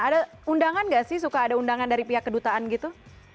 ada undangan gak sih suka ada undangan dari pihak kedutaan gitu